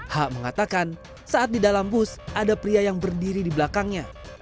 h mengatakan saat di dalam bus ada pria yang berdiri di belakangnya